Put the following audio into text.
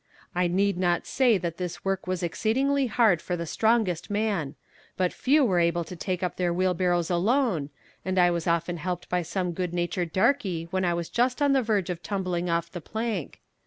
I need not say that this work was exceedingly hard for the strongest man; but few were able to take up their wheelbarrows alone, and I was often helped by some good natured darkie when I was just on the verge of tumbling off the plank.